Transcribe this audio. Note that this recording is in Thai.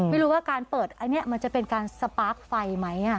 ไม่รู้ว่าการเปิดอันนี้มันจะเป็นการสปาร์คไฟไหม